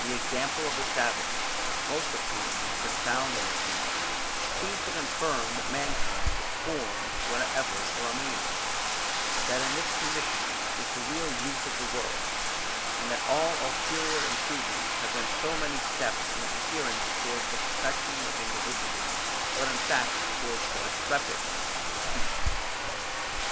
The example of the savages, most of whom have been found in this condition, seems to confirm that mankind was formed ever to remain in it, that this condition is the real youth of the world, and that all ulterior improvements have been so many steps, in appearance towards the perfection of individuals, but in fact towards the decrepitness of the species.